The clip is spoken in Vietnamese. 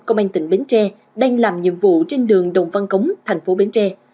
công an tỉnh bến tre đang làm nhiệm vụ trên đường đồng văn cống thành phố bến tre